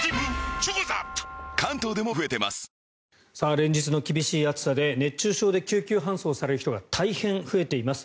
連日の厳しい暑さで熱中症で救急搬送される人が大変増えています。